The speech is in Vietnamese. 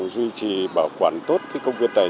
duy trì bảo quản tốt công viên này